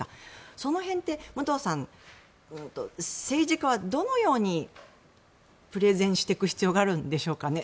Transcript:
その辺って武藤さん、政治家はどのようにプレゼンしていく必要があるんでしょうかね。